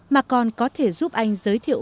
mà còn có thể giúp anh giới thiệu